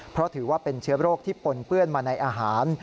เพราะถือว่าเป็นเชื้อโรคที่ปนเปื้อนมาในอาหาร